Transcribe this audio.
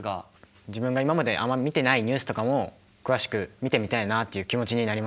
自分が今まであんまり見てないニュースとかも詳しく見てみたいなあっていう気持ちになりました。